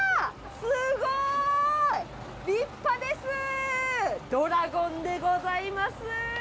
立派ですドラゴンでございます！